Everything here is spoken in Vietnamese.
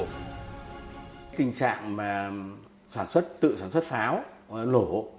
tình trạng mà sản xuất tự sản xuất pháo nổ hộ